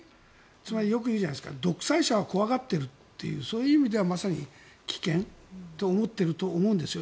つまり、よく言うじゃないですか独裁者は怖がっているというそういう意味ではまさに危険と思っていると思うんです。